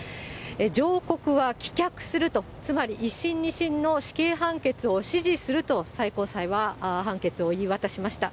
上告は棄却すると、つまり１審、２審の死刑判決を支持すると最高裁は判決を言い渡しました。